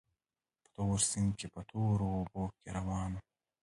په تور سیند کې په تورو اوبو کې روان وو.